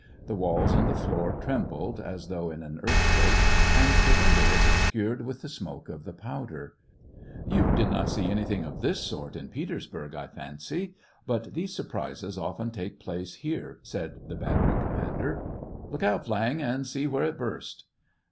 The walls and the floor trembled, as though in an earthquake, and the window was obscured with the smoke of the powder. You did not see anything of this sort in Pe tersburg, I fancy ; but these surprises often take place here," said the battery commander. Look out, Viang, and see where it burst."